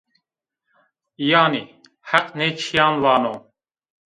Yanî Heq nê çîyan vano.